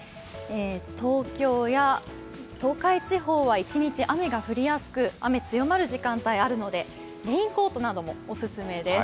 東京や東海地方は一日雨が降りやすく、雨が強まる時間帯があるのでレインコートなどもお勧めです。